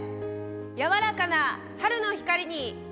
「柔らかな春の光に」。